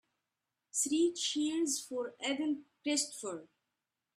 Three cheers for Aden Christopher.